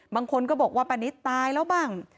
บางคนก็บอกว่าป้านิตตายแล้วบ้าง